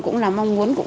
cũng là mong muốn